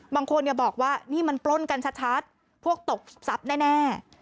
บางคนบอกว่านี่มันปล้นกันชัดพวกตบทรัพย์แน่